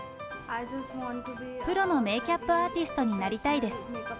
プロのメーキャップアーティストになりたいです。